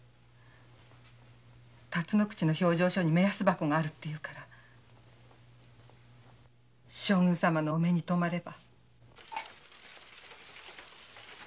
たつの口の評定所に目安箱があるって言うから将軍様のお目にとまれば。